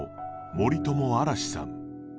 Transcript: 森友嵐士さん